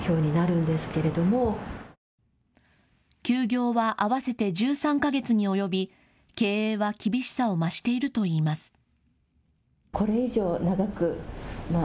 休業は合わせて１３か月に及び経営は厳しさを増しているといいます。